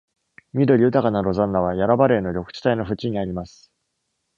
緑豊かなロザンナは、ヤラバレーの緑地帯の縁にあります。